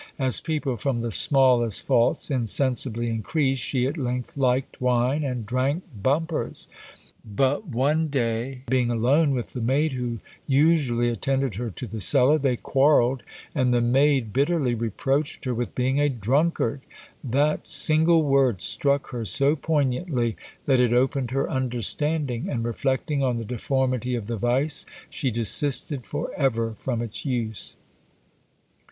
As people from the smallest faults insensibly increase, she at length liked wine, and drank bumpers. But one day being alone with the maid who usually attended her to the cellar, they quarrelled, and the maid bitterly reproached her with being a drunkard! That single word struck her so poignantly that it opened her understanding; and reflecting on the deformity of the vice, she desisted for ever from its use."